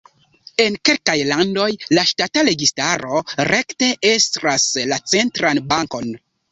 En kelkaj landoj la ŝtata registaro rekte estras la centran bankon.